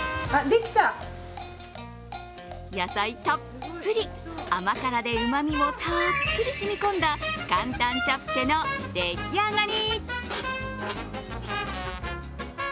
野菜たっぷり、甘辛でうまみもたっぷりしみ込んだ簡単チャプチェの出来上がり。